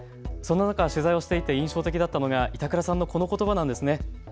そんな中、取材をしていて印象的だったのは板倉さんのこのことばです。